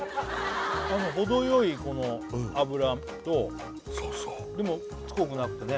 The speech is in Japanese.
ほどよいこの脂とそうそうでもしつこくなくてね